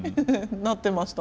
なってました